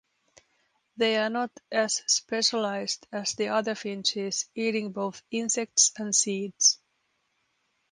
They are not as specialised as the other finches, eating both insects and seeds.